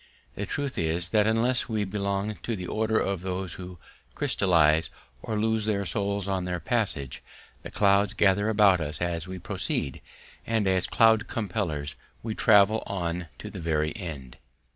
The truth is that unless we belong to the order of those who crystallize or lose their souls on their passage, the clouds gather about us as we proceed, and as cloud compellers we travel on to the very end.